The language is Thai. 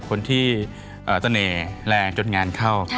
มีงานเข้า